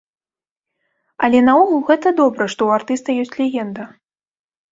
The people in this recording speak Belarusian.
Але наогул, гэта добра, што ў артыста ёсць легенда.